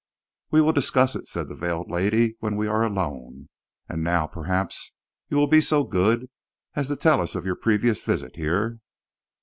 "We will discuss it," said the veiled lady, "when we are alone. And now, perhaps, you will be so good as to tell us of your previous visit here."